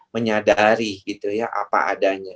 menyadari gitu ya apa adanya